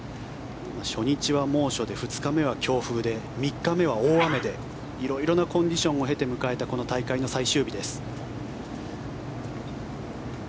初日は猛暑で２日目は強風で３日目は大雨で色々なコンディションを経て迎えた大会の最終日です。